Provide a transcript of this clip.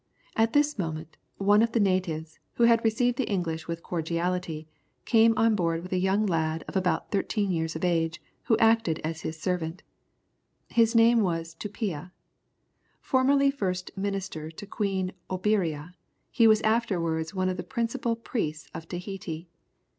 At this moment, one of the natives, who had received the English with cordiality, came on board with a young lad of about thirteen years of age, who acted as his servant. He was named Tupia. Formerly first minister to Queen Oberea, he was afterwards one of the principal priests of Tahiti.